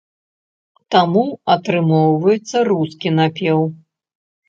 Таму атрымоўваецца рускі напеў.